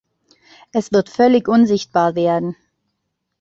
Es wird völlig unsichtbar werden!